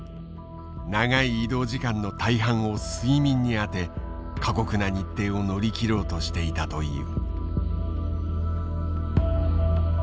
長い移動時間の大半を睡眠に充て過酷な日程を乗り切ろうとしていたという。